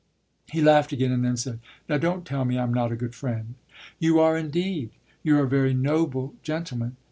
He laughed again and then said: "Now don't tell me I'm not a good friend." "You are indeed you're a very noble gentleman.